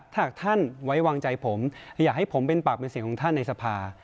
ถ้าท่านไว้วางใจผมอยากให้ผมเป็นปากเป็นเสียงของท่านในสภา